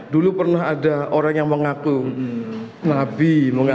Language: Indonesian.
dulu pernah ada orang yang mengaku nabi